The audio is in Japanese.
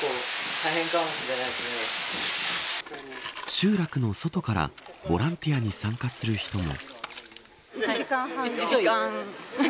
集落の外からボランティアに参加する人も。